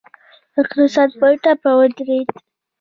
اقتصاد په ټپه ودرید.